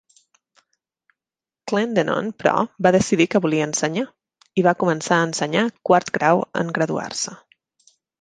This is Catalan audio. Clendenon, però, va decidir que volia ensenyar, i va començar a ensenyar quart grau al graduar-se.